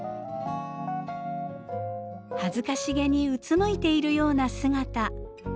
恥ずかしげにうつむいているような姿。